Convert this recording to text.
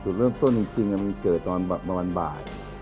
สูตรเริ่มต้นจริงมันเกิดตอนเมื่อวันบาท